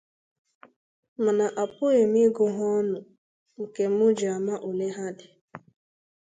ma na apụghị mụ ịgụ ha ọnụ nke mụ ji ama ole ha dị.